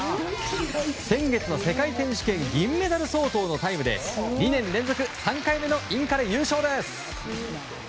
先月の世界選手権銀メダル相当のタイムで２年連続３回目のインカレ優勝です。